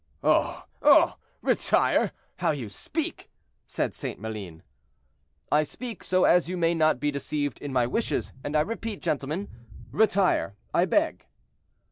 "Oh! oh! retire! how you speak!" said St. Maline. "I speak so as you may not be deceived in my wishes, and I repeat, gentlemen, retire, I beg."